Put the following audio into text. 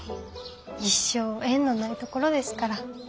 一生縁のない所ですから。